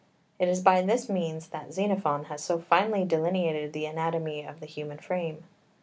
It is by this means that Xenophon has so finely delineated the anatomy of the human frame.